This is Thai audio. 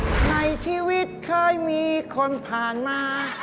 ในชีวิตเคยมีคนผ่านมา